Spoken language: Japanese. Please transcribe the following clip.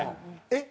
えっ？